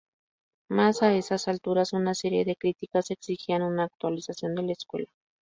Mas a esas alturas una serie de críticas exigían una actualización de la escuela.